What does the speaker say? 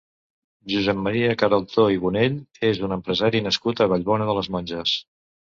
Josep Maria Queraltó i Bonell és un empresari nascut a Vallbona de les Monges.